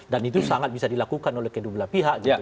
dan itu sangat bisa dilakukan oleh kedua belah pihak gitu